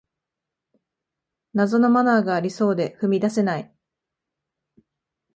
謎のマナーがありそうで踏み出せない